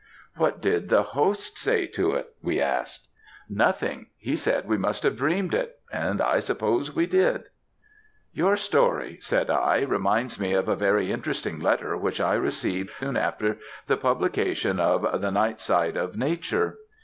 "What did the host say to it?" we asked. "Nothing; he said we must have dreamed it and I suppose we did." "Your story," said I, "reminds me of a very interesting letter which I received soon after the publication of 'The Night side of Nature.'